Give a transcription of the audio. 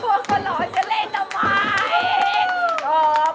พวกคนหล่อจะเล่นทำไม